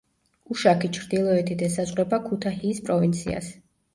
უშაქი ჩრდილოეთით ესაზღვრება ქუთაჰიის პროვინციას.